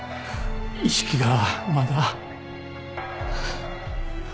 意識がまだ。